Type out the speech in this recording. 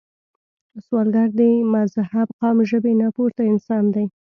سوالګر د مذهب، قام، ژبې نه پورته انسان دی